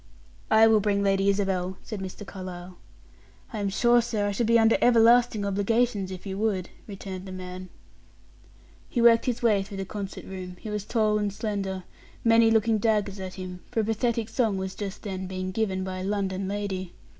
"I will bring Lady Isabel," said Mr. Carlyle. "I am sure, sir, I should be under everlasting obligations if you would," returned the man. He worked his way through the concert room he was tall and slender many looking daggers at him, for a pathetic song was just then being given by a London lady.